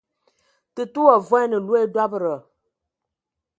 Tətə wa vuan loe dɔbədɔ.